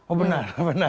oh benar benar